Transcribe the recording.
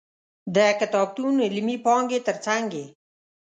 د کتابتون علمي پانګې تر څنګ یې.